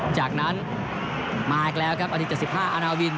จากนั้นมาอีกแล้วครับนาที๗๕อาณาวิน